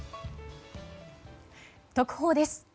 特報です。